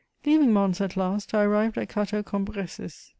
* Leaving Mons at last, I arrived at Cateau Cambrésis; M.